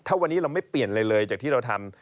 ถ้าวันนี้เราไม่เปลี่ยนอะไรเลยจากที่เราทำ